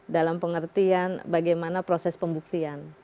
dalam pengertian bagaimana proses pembuktian